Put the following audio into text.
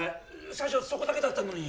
最初そこだけだったのに！